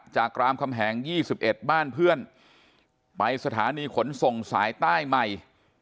รามคำแหง๒๑บ้านเพื่อนไปสถานีขนส่งสายใต้ใหม่